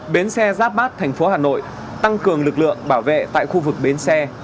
bến xe giáp bát thành phố hà nội tăng cường lực lượng bảo vệ tại khu vực bến xe